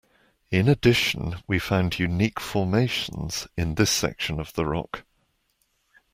In addition, we found unique formations in this section of the rock.